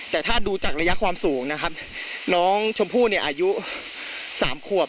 แต่ถ้าดูจากระยะความสูงนะครับน้องชมพู่เนี่ยอายุ๓ขวบ